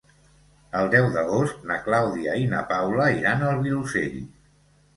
El deu d'agost na Clàudia i na Paula iran al Vilosell.